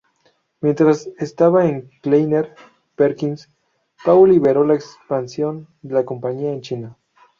Mientras estaba en Kleiner Perkins, Pao lideró la expansión de la compañía en China.